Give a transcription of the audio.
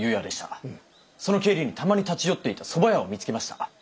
その帰りにたまに立ち寄っていたそば屋を見つけました。